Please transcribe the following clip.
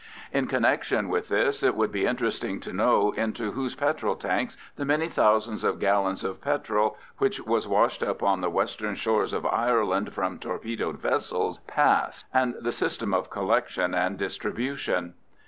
In connection with this, it would be interesting to know into whose petrol tanks the many thousands of gallons of petrol which was washed up on the western shores of Ireland from torpedoed vessels passed, and the system of collection and distribution.